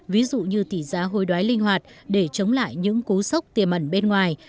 ví dụ như tỷ giá hồi đoái linh hoạt để chống lại những cú sốc tiềm ẩn bên ngoài